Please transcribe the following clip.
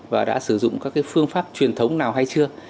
và đã sử dụng các phương pháp truyền thống nào hay chưa